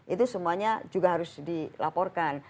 itu semuanya juga harus dilaporkan